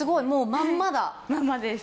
まんまです。